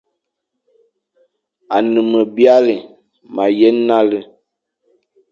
Ane me byalé, ma he yen nale,